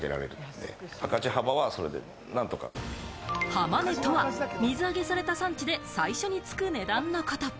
浜値とは、水揚げされた産地で最初に付く値段のこと。